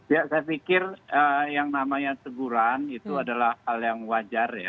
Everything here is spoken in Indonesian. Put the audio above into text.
ya saya pikir yang namanya teguran itu adalah hal yang wajar ya